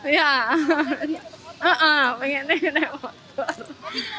iya pengennya naik motor